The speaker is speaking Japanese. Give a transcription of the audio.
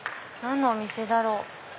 何のお店だろう？